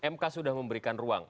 mk sudah memberikan ruang